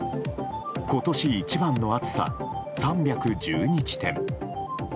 今年一番の暑さ、３１２地点。